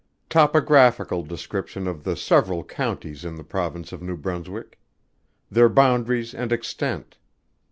_Topographical Description of the several Counties in the Province of New Brunswick. Their Boundaries and Extent.